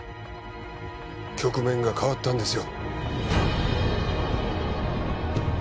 局面が変わったんですよ